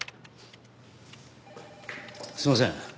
すみません。